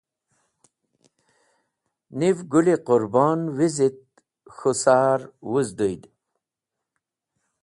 Niv, Gũl-e Qũrbon wizit k̃hũ sar wũzdũyd.”